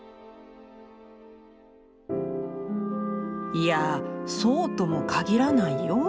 「いやそうとも限らないよ。